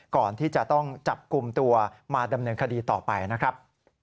ก่อนที่จะต้องจับกลุ่มตัวมาดำเนินคดีต่อไปนะครับ